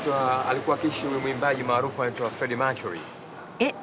えっ！？